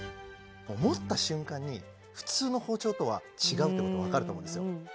もう持った瞬間に普通の包丁とは違うってこと分かると思うんですよ